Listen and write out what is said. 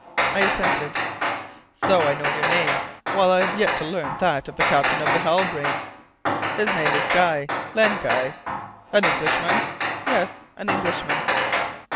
I assented. "So! I know your name, while I have yet to learn that of the captain of the Halbrane." "His name is Guy Len Guy." "An Englishman?" "Yes an Englishman."